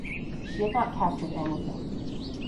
She had not captured anything.